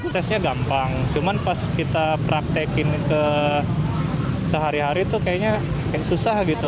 tesnya gampang cuman pas kita praktekin ke sehari hari tuh kayaknya susah gitu